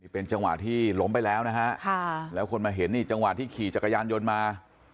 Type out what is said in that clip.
เป็นจังหวะที่ล้มไปแล้วนะฮะแล้วคนมาเห็นนี่จังหวะที่ขี่จักรยานยนต์มา